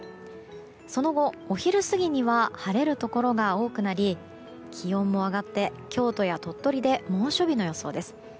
その後、お昼過ぎには晴れるところが多くなり気温も上がって京都や鳥取で猛暑日の予想です。